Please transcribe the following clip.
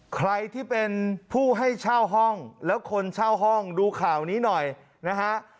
ใครที่เป็นผู้ให้เช่าห้องแล้วคนเช่าห้องดูข่าวนี้หน่อยนะฮะ